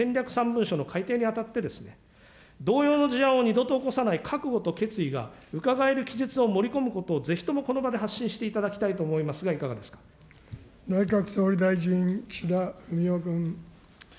３文書の改定にあたって、同様の事案を二度と起こさない覚悟と決意が伺える記述を盛り込むことをぜひともこの場で発信していただきたいと思いますが、いか内閣総理大臣、岸田文雄君。